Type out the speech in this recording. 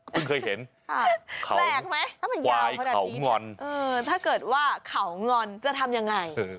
เพิ่งเคยเห็นแปลกไหมถ้าเกิดว่าเขางอนจะทำยังไงถ้าเกิดว่าเขางอนจะทำยังไง